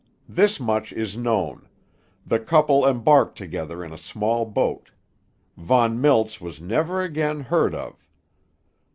This much is known: The couple embarked together in a small boat. Von Miltz was never again heard of.